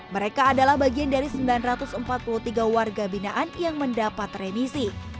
mereka adalah bagian dari sembilan ratus empat puluh tiga warga binaan yang mendapat remisi